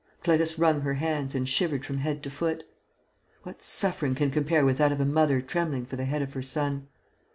Clarisse wrung her hands and shivered from head to foot. What suffering can compare with that of a mother trembling for the head of her son?